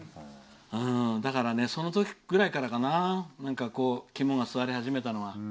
だから、そのときぐらいからかな肝が据わり始めたのは。